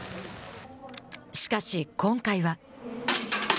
しかし今回は。